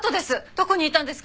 どこにいたんですか？